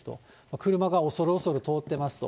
車が恐る恐る通ってますと。